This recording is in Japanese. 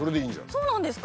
そうなんですか？